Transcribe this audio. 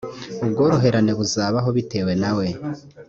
ubworoherane buzabaho bitewe nawe